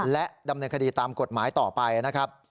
และดำเนินคดีตามกฎหมายต่อไปนะครับ